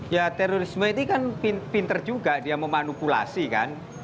ya terorisme ini kan pinter juga dia memanipulasi kan